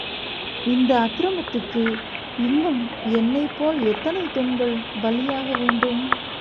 இந்த அக்கிரமத்துக்கு இன்னும் என்னைப் போல் எத்தனைப் பெண்கள் பலியாகவேண்டும்?